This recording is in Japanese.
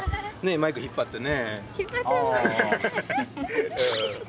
マイク引っ張ってね。